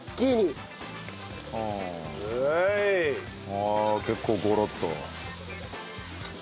ああ結構ゴロッと。